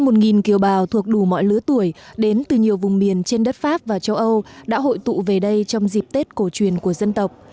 một kiều bào thuộc đủ mọi lứa tuổi đến từ nhiều vùng miền trên đất pháp và châu âu đã hội tụ về đây trong dịp tết cổ truyền của dân tộc